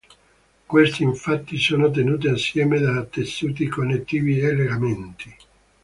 Queste infatti sono tenute assieme da tessuti connettivi e legamenti.